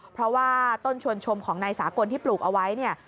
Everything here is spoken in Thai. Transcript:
เพราะว่าต้นชวนชมของนายสากลที่ปลูกเอาไว้เนี่ย